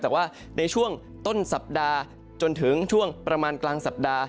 แต่ว่าในช่วงต้นสัปดาห์จนถึงช่วงประมาณกลางสัปดาห์